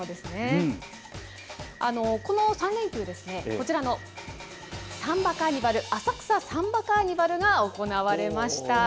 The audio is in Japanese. この３連休、こちらのサンバカーニバル、浅草サンバカーニバルが行われました。